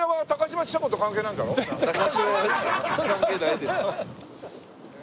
高島屋は関係ないです。